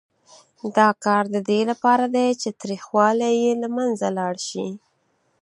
دا کار د دې لپاره دی چې تریخوالی یې له منځه لاړ شي.